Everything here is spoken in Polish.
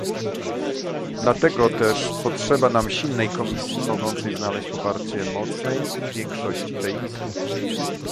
Dlatego też potrzeba nam silnej Komisji, mogącej znaleźć poparcie mocnej większości tej Izby